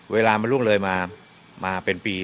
เวลามันล่วงเลยมาเป็นปี